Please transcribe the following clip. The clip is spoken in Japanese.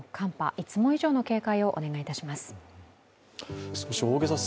いつも以上の警戒をお願いいたします。